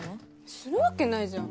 するわけないじゃん